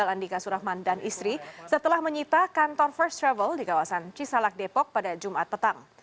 andika surahman dan istri setelah menyita kantor first travel di kawasan cisalak depok pada jumat petang